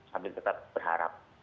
sambil tetap berharap